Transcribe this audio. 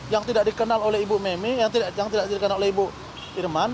yang tidak dikenal oleh ibu memi yang tidak dikenal oleh ibu irman